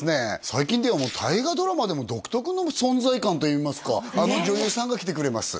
最近では大河ドラマでも独特の存在感といいますかあの女優さんが来てくれます